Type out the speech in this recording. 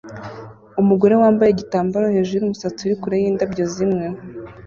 umugore wambaye igitambaro hejuru yumusatsi uri kure yindabyo zimwe